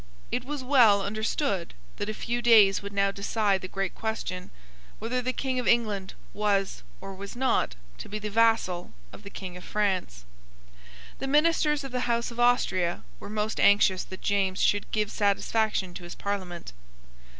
It was well understood that a few days would now decide the great question, whether the King of England was or was not to be the vassal of the King of France. The ministers of the House of Austria were most anxious that James should give satisfaction to his Parliament.